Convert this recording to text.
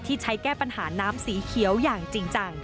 ใช้แก้ปัญหาน้ำสีเขียวอย่างจริงจัง